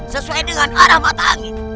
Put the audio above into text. sesuai dengan arah mata angin